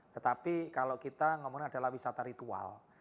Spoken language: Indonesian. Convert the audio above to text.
tetapi kalau kita ngomongin adalah wisata ritual